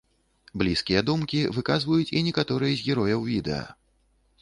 Блізкія думкі выказваюць і некаторыя з герояў відэа.